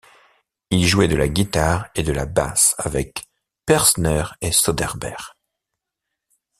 Il jouait de la guitare et de la basse avec Persner et Söderberg.